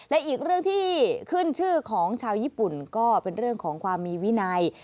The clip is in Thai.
และอีกเรื่องที่ขึ้นชื่อของชาวญี่ปุ่นก็เป็นเรื่องของความมีวินัย